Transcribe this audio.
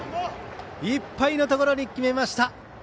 いっぱいのところに決めました。